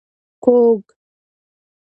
کوږ